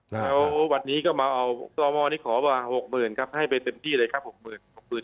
แล้ววันนี้ก็มาเอาตอมอเนี้ยขอว่าหกหมื่นครับให้ไปเต็มที่เลยครับหกหมื่น